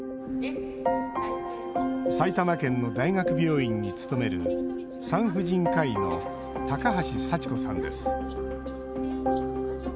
埼玉県の大学病院に勤める産婦人科医の高橋幸子さんです。